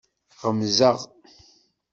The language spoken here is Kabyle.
Ɣemzeɣ.